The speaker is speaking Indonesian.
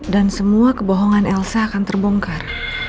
dan semua kebohongan elsa akan terbongkar